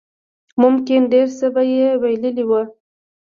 ممکن ډېر څه به يې بايللي وو.